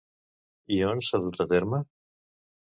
I on s'ha dut a terme?